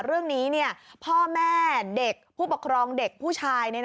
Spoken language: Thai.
เรื่องนี้พ่อแม่เด็กผู้ปกครองเด็กผู้ชาย